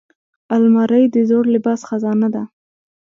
الماري د زوړ لباس خزانه ده